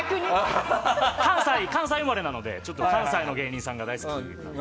関西生まれなので関西の芸人さんが大好きなので。